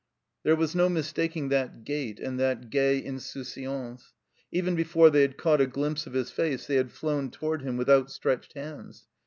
There was no mistaking that gait and that gay insouciance ; even before they had caught a glimpse of his face they had flown toward him with outstretched hands.